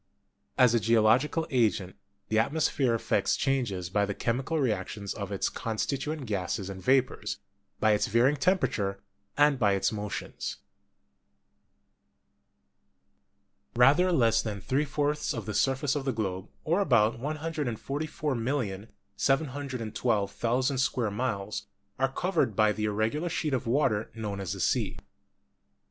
As a geological agent, the atmos phere effects changes by the chemical reactions of its constituent gases and vapors, by its varying temperature, and by its motions. Rather less than three fourths of the surface of the globe (or about 144,712,000 square miles) are covered by the irregular sheet of water known as the Sea.